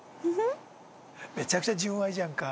めちゃくちゃ純愛じゃんか。